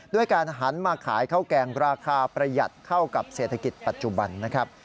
ด้วยการหันมาขายข้าวแกงราคาประหยัดเข้ากับเศรษฐกิจปัจจุบันนะครับ